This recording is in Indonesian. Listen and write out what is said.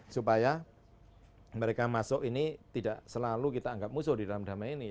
supaya mereka masuk ini tidak selalu kita anggap musuh di dalam damai ini